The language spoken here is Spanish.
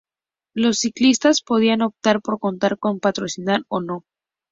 Los ciclistas podían optar por contar con patrocinador o no.